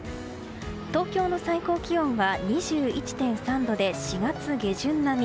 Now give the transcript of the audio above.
東京の最高気温は２１．３度で４月下旬並み。